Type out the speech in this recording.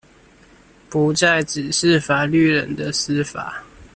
不再只是法律人的司法